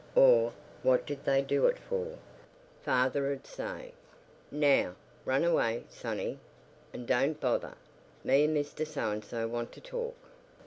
or "what did they do it for?" father'd say: "Now, run away, sonny, and don't bother; me and Mr So and so want to talk."